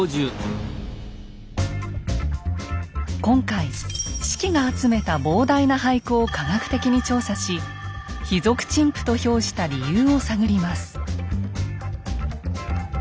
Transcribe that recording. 今回子規が集めた膨大な俳句を科学的に調査し「卑俗陳腐」と評した理由を探ります。